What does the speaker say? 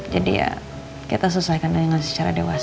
jadi ya kita selesaikan dengan secara dewasa aja